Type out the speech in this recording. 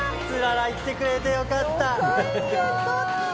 「つららいってくれてよかった」